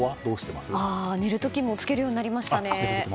寝る時もつけるようになりましたね。